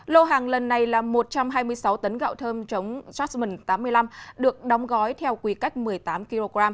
lô hàng lần này là một trăm hai mươi sáu tấn gạo thơm chống jasmone tám mươi năm được đóng gói theo quy cách một mươi tám kg